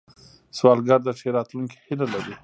سوالګر د ښې راتلونکې هیله لري